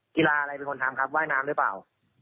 อะไรเป็นคนทำครับว่ายน้ำหรือเปล่า